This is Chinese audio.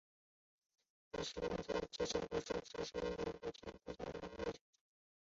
这首歌曲是他首次与英国节奏蓝调歌手合作。